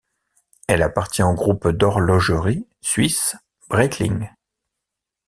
Elle appartient au groupe d'horlogerie suisse Breitling.